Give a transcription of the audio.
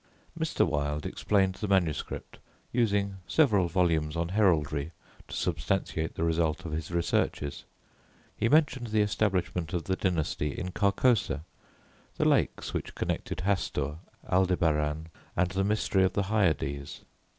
Mr. Wilde explained the manuscript, using several volumes on Heraldry, to substantiate the result of his researches. He mentioned the establishment of the Dynasty in Carcosa, the lakes which connected Hastur, Aldebaran and the mystery of the Hyades.